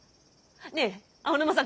ねぇ青沼さん